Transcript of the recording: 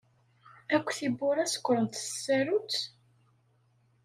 Akk tiwwura sekṛent s tsarut?